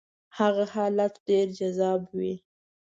هغه حالت ډېر جذاب وي.